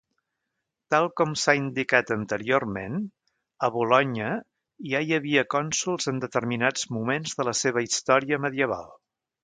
Tal com s'ha indicat anteriorment, a Bolonya ja hi havia cònsols en determinats moments de la seva història medieval.